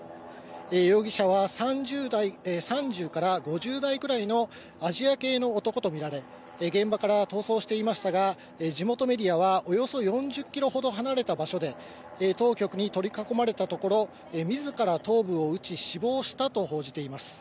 容疑者は３０から５０代くらいのアジア系の男とみられ、現場から逃走していましたが、地元メディアは、およそ４０キロほど離れた場所で、当局に取り囲まれたところ、自ら頭部を撃ち、死亡したと報じています。